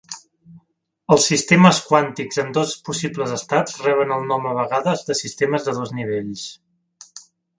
Els sistemes quàntics amb dos possibles estats reben el nom a vegades de sistemes de dos nivells.